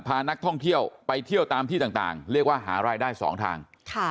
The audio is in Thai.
พานักท่องเที่ยวไปเที่ยวตามที่ต่างเรียกว่าหารายได้๒ทาง